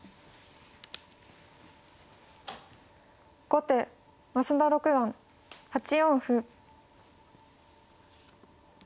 後手増田六段８四歩。